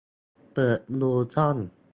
เปิดดูช่อง